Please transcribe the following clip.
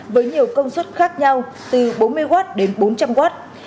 với nhiều công suất khác nhau từ bốn mươi w đến bốn trăm linh w